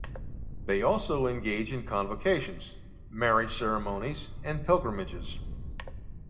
They also engage in convocations, marriage ceremonies, and pilgrimages.